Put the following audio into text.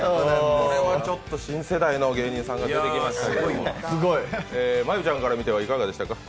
これは新世代の芸人さんが出てきましたけど、真悠ちゃんから見ていかがでしたか？